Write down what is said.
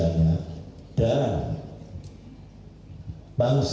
dan kemampuan manusia